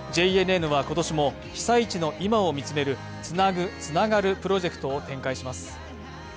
ＪＮＮは今年も被災地の今を見つめる「つなぐ、つながるプロジェクト」を展開します。